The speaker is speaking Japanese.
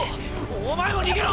お前も逃げろ！